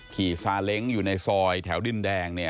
ขี่ซาเล็งค์อยู่ในซอยแถวดินแดง